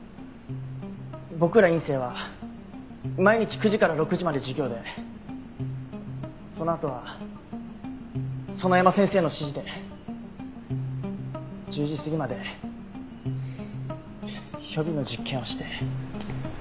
僕ら院生は毎日９時から６時まで授業でそのあとは園山先生の指示で１０時過ぎまで予備の実験をして。